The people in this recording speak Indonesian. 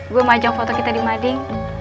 gue mau ajak foto kita di mading